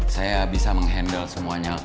saya bisa meng handle semuanya